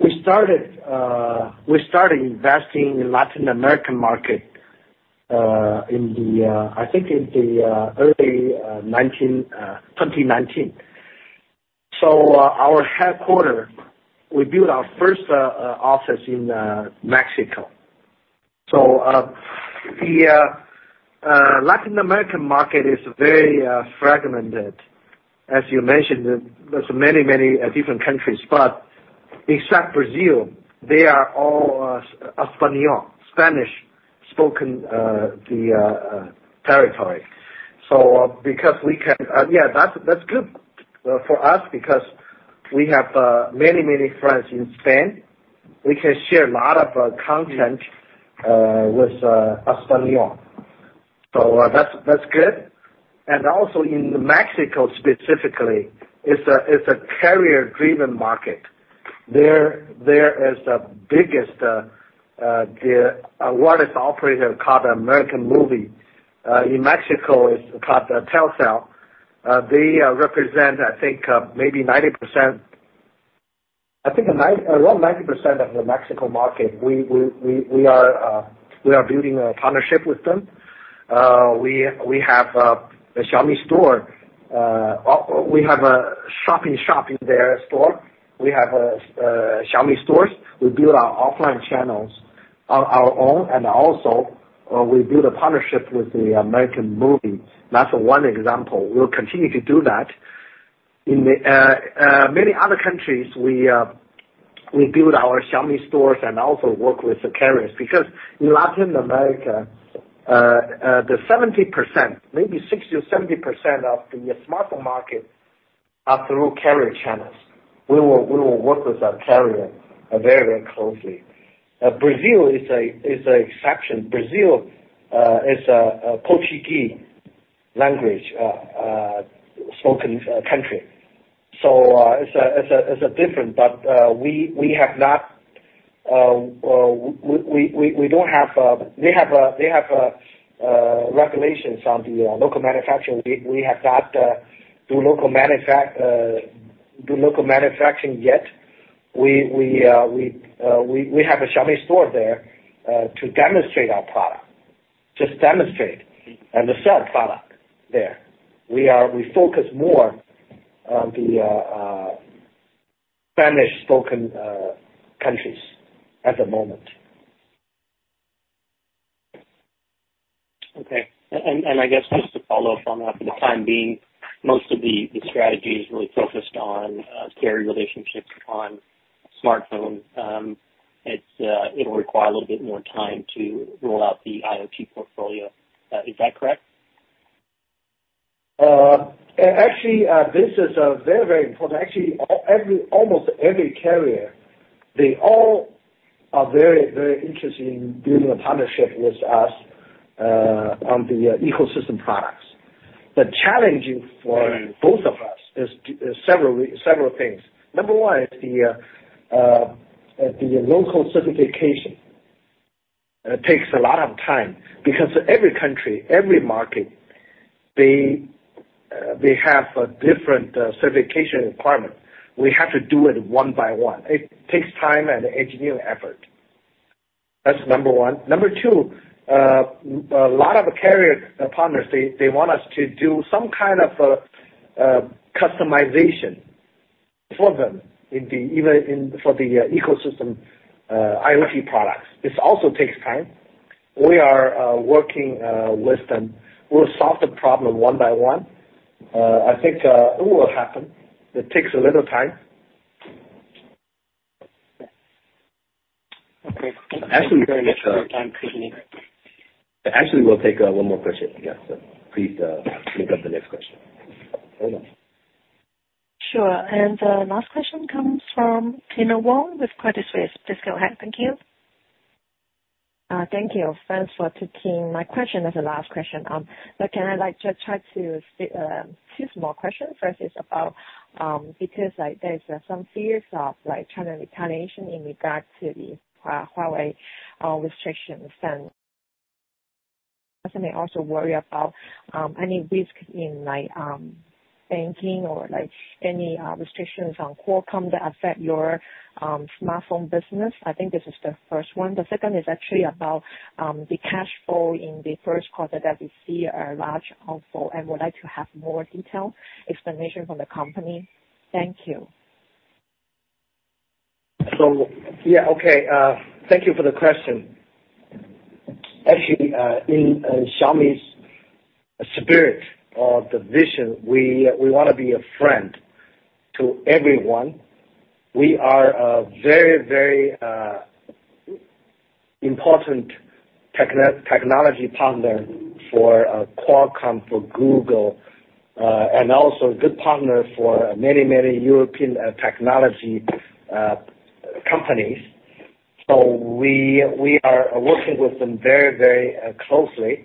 we started investing in Latin American market I think in the early 2019. Our headquarter, we built our first office in Mexico. The Latin American market is very fragmented. As you mentioned, there's many different countries, but except Brazil, they are all Español, Spanish spoken territory. Yeah, that's good for us because we have many friends in Spain. We can share a lot of content with Español. That's good. Also in Mexico specifically, it's a carrier-driven market. There is the biggest wireless operator called América Móvil. In Mexico, it's called Telcel. They represent, I think, maybe 90%. I think around 90% of the Mexico market. We are building a partnership with them. We have a Xiaomi store. We have a shop in shop in their store. We have Xiaomi stores. We build our offline channels on our own, and also we build a partnership with the América Móvil. That's one example. We'll continue to do that. In many other countries, we build our Xiaomi stores and also work with the carriers because in Latin America, the 70%, maybe 60 or 70% of the smartphone market are through carrier channels. We will work with our carrier very closely. Brazil is an exception. Brazil is a Portuguese language spoken country. It's different. They have regulations on the local manufacturing. Do local manufacturing yet. We have a Xiaomi store there to demonstrate our product, just demonstrate and sell product there. We focus more on the Spanish-spoken countries at the moment. Okay. I guess just to follow up on that, for the time being, most of the strategy is really focused on carrier relationships on smartphone. It'll require a little bit more time to roll out the IoT portfolio. Is that correct? Actually, this is very important. Actually, almost every carrier, they all are very interested in building a partnership with us on the ecosystem products. The challenge for both of us is several things. Number one is the local certification. It takes a lot of time because every country, every market, they have a different certification requirement. We have to do it one by one. It takes time and engineering effort. That's number one. Number two, a lot of carrier partners, they want us to do some kind of customization for them for the ecosystem IoT products. This also takes time. We are working with them. We'll solve the problem one by one. I think it will happen. It takes a little time. Okay. Thank you very much for your time, Raymond. Actually, we'll take one more question. Yes, please link up the next question. Over. Sure. The last question comes from Kyna Wong with Credit Suisse. Please go ahead. Thank you. Thank you. Thanks for taking my question as the last question. Can I just try two small questions? First is about, because there's some fears of China retaliation in regard to the Huawei restrictions and some may also worry about any risk in banking or any restrictions on Qualcomm that affect your smartphone business. I think this is the first one. The second is actually about the cash flow in the first quarter that we see a large outflow and would like to have more detail, explanation from the company. Thank you. Yeah, okay. Thank you for the question. Actually, in Xiaomi's spirit or the vision, we want to be a friend to everyone. We are a very important technology partner for Qualcomm, for Google, and also a good partner for many European technology companies. We are working with them very closely.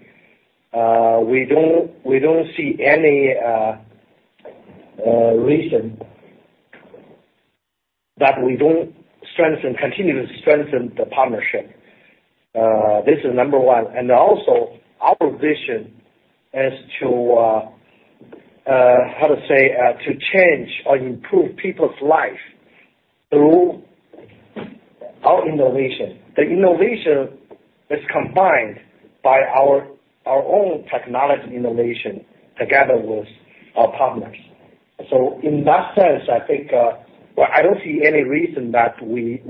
We don't see any reason that we don't continue to strengthen the partnership. This is number one. Also, our vision is to, how to say? To change or improve people's life through our innovation. The innovation is combined by our own technology innovation together with our partners. In that sense, I think, well, I don't see any reason that we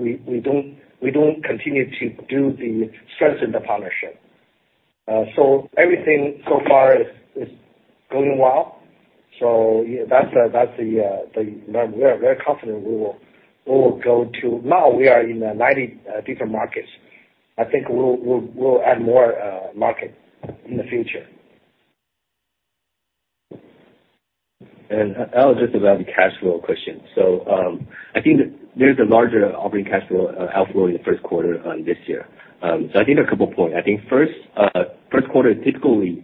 don't continue to strengthen the partnership. Everything so far is going well. That's the number. We are very confident. Now we are in 90 different markets. I think we'll add more market in the future. I'll address about the cash flow question. I think there's a larger operating cash flow outflow in the first quarter this year. I think there are a couple points. I think first quarter is typically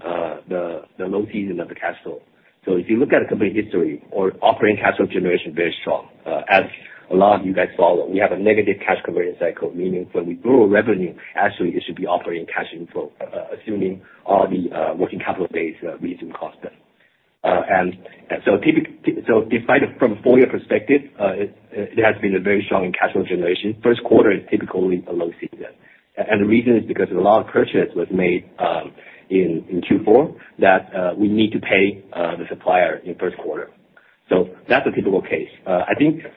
the low season of the cash flow. If you look at the company history or operating cash flow generation, very strong. As a lot of you guys follow, we have a negative cash conversion cycle, meaning when we grow revenue, actually it should be operating cash inflow, assuming all the working capital days we do cost. From a full year perspective, it has been a very strong cash flow generation. First quarter is typically a low season. The reason is because a lot of purchase was made in Q4 that we need to pay the supplier in first quarter. That's a typical case.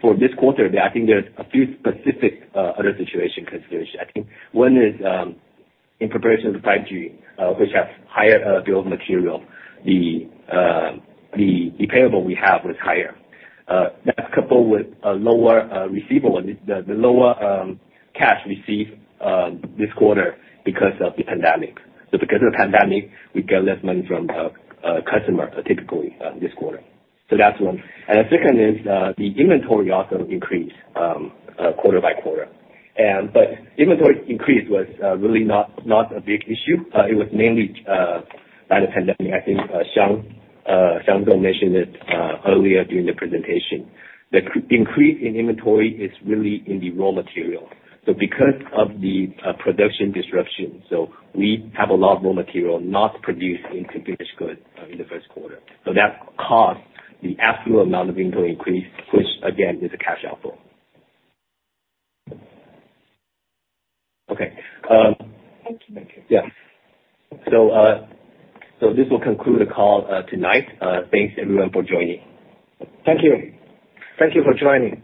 For this quarter, I think there's a few specific other situation considerations. One is in preparation of the 5G, which have higher bill of material, the payable we have was higher. That's coupled with a lower receivable, the lower cash received this quarter because of the pandemic. Because of the pandemic, we get less money from the customer, typically, this quarter. That's one. The second is, the inventory also increased quarter-by-quarter. Inventory increase was really not a big issue. It was mainly by the pandemic. I think Wang Xiang mentioned it earlier during the presentation. The increase in inventory is really in the raw material. Because of the production disruption, so we have a lot more material not produced into finished good in the first quarter. That caused the absolute amount of inventory increase, which again, is a cash outflow. Okay. Thank you. Yeah. This will conclude the call tonight. Thanks everyone for joining. Thank you. Thank you for joining.